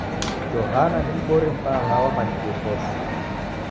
Johana ni m'bori mbaha, wamanyikie kose